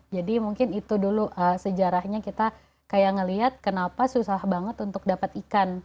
jadi mungkin itu dulu sejarahnya kita kayak melihat kenapa susah banget untuk dapat ikut